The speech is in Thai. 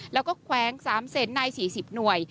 แล้วก็แขวง๓แสนนาย๔๐หน่วย